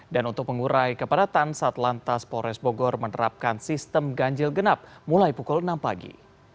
dan untuk mengurai kepadatan saat lantas polres bogor menerapkan sistem ganjil genap mulai pukul enam pagi